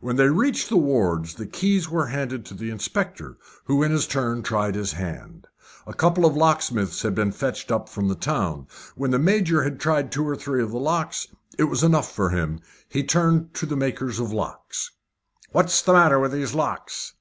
When they reached the wards the keys were handed to the inspector, who in his turn tried his hand. A couple of locksmiths had been fetched up from the town. When the Major had tried two or three of the locks it was enough for him. He turned to the makers of locks. "What's the matter with these locks?"